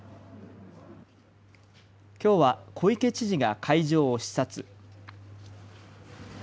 きょうは小池知事が会場を視察。